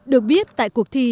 được biết tại cuộc thi